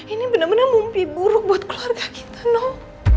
ini bener bener mumpi buruk buat keluarga kita noh